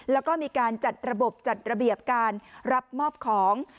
แล้วก็มีการจัดระบบจัดระเบียบการรับมอบของ